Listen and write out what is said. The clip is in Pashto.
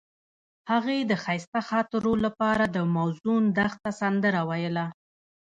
هغې د ښایسته خاطرو لپاره د موزون دښته سندره ویله.